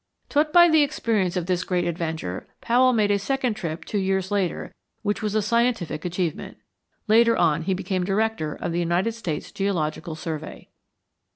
Taught by the experience of this great adventure, Powell made a second trip two years later which was a scientific achievement. Later on he became Director of the United States Geological Survey.